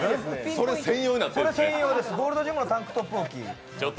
それ専用です、ゴールドジムのタンクトップ置き。